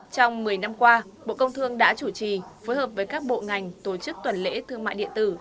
trong một mươi năm qua bộ công thương đã chủ trì phối hợp với các bộ ngành tổ chức tuần lễ thương mại điện tử